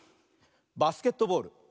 バスケットボール。